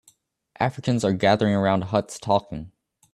Africans are gathering around huts talking